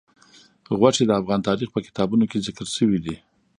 غوښې د افغان تاریخ په کتابونو کې ذکر شوي دي.